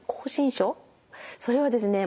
症それはですね